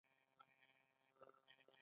په بدن کې څو هډوکي شته؟